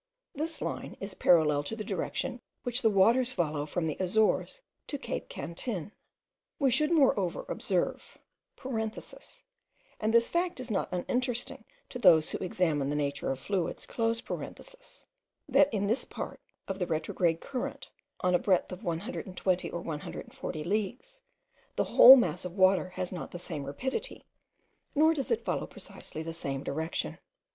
This line is parallel to the direction which the waters follow from the Azores to Cape Cantin. We should moreover observe (and this fact is not uninteresting to those who examine the nature of fluids), that in this part of the retrograde current, on a breadth of 120 or 140 leagues, the whole mass of water has not the same rapidity, nor does it follow precisely the same direction.